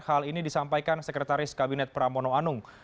hal ini disampaikan sekretaris kabinet pramono anung